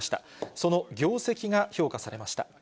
その業績が評価されました。